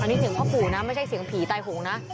นี่เสียงพ่อปู่นะไม่ใช่เสียงผีตายโหงนะ